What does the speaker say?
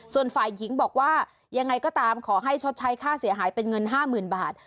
ส่วนฝ่ายหญิงบอกว่ายังไงก็ตามขอให้ชดใช้ค่าเสียหายเป็นเงิน๕๐๐๐บาท